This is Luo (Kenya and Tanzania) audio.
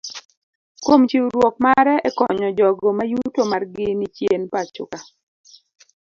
Kuom chiwruok mare ekonyo jogoo mayuto margi ni chien pachoka